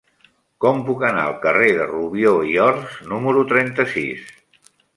Com puc anar al carrer de Rubió i Ors número trenta-sis?